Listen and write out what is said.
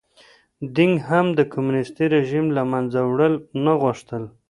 دینګ هم د کمونېستي رژیم له منځه وړل نه غوښتل.